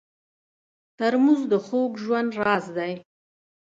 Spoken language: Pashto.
ترموز د خوږ ژوند همراز دی.